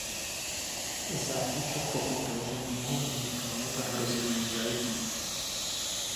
Záhy však pochopili že nemohou uniknout a hrozilo jim zajetí.